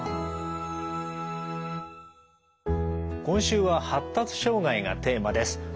今週は「発達障害」がテーマです。